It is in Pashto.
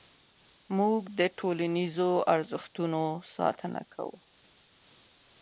موږ د ټولنیزو ارزښتونو ساتنه کوو.